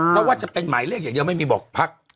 เพราะว่าจะเป็นหมายเรียกอย่างเดียวไม่มีบอกพัก